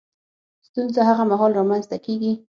ستونزه هغه مهال رامنځ ته کېږي